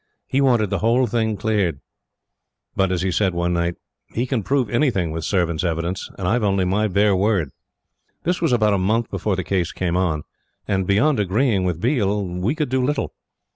He wanted the whole thing cleared: but as he said one night: "He can prove anything with servants' evidence, and I've only my bare word." This was about a month before the case came on; and beyond agreeing with Biel, we could do little.